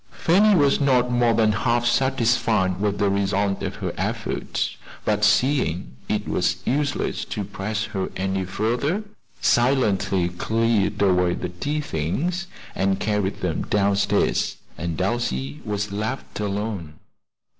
Fanny was not more than half satisfied with the result of her efforts; but seeing it was useless to press her any further, silently cleared away the tea things and carried them down stairs, and Elsie was left alone.